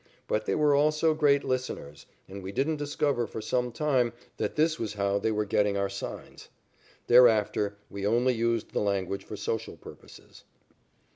But they were also great "listeners," and we didn't discover for some time that this was how they were getting our signs. Thereafter we only used the language for social purposes.